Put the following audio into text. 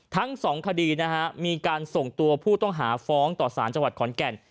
ทั้งสองคดีนะฮะมีการส่งตัวผู้ต้องหาฟ้องต่อสารจังหวัดขอนแก่น